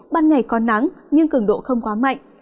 ban ngày có nắng nhưng cường độ không quá mạnh